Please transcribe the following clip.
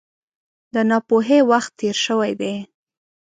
د ناپوهۍ وخت تېر شوی دی.